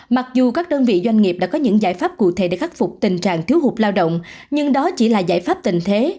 mặc dù các đơn vị doanh nghiệp đã có những giải pháp cụ thể để khắc phục tình trạng thiếu hụt lao động nhưng đó chỉ là giải pháp tình thế